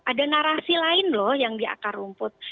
ada narasi lain loh yang di akar rumput